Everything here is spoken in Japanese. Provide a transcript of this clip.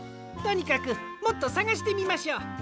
とにかくもっとさがしてみましょう。